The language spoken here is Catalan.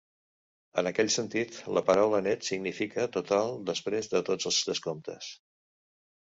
En aquest sentit, la paraula net significa "total després de tots els descomptes".